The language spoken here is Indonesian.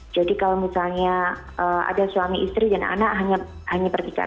jadi kalau misalnya ada suami istri dan anak hanya pergi ke atas